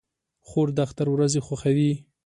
خور د اختر ورځې خوښوي.